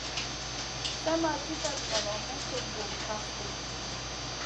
Slèmma dibèt ŋolo may tum bura kaf ɗi.